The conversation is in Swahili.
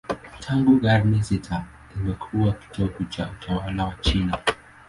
Tangu karne sita imekuwa kitovu cha utawala wa China.